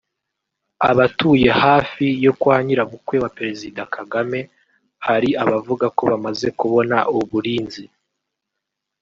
-Abatuye hafi yo kwa nyirabukwe wa Perezida Kagame hari abavuga ko bamaze kubona uburinzi